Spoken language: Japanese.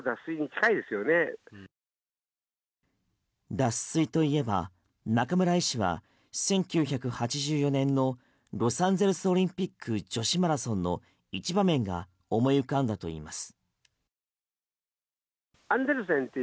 脱水といえば中村医師は１９８４年のロサンゼルスオリンピック女子マラソンの一場面が思い浮かんだといいます。